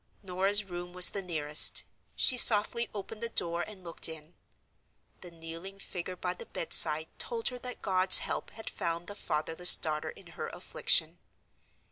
Norah's room was the nearest. She softly opened the door and looked in. The kneeling figure by the bedside told her that God's help had found the fatherless daughter in her affliction.